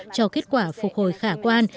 cho kết quả phục hồi khả quan